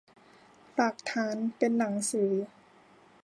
หลักฐานเป็นหนังสือ